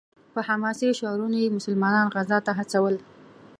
په حماسي شعرونو یې مسلمانان غزا ته هڅول.